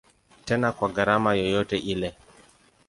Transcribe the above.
Tena kwa gharama yoyote ile.